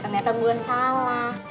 ternyata gue salah